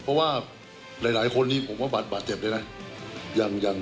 เพราะว่าหลายคนนี้ผมว่าบาดเจ็บด้วยนะ